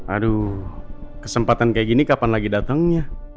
aduh kesempatan kayak gini kapan lagi datangnya